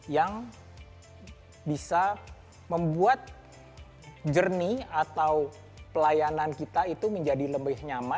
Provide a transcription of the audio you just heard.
yang bisa membuat journey atau pelayanan kita itu menjadi lebih eco secara eksternal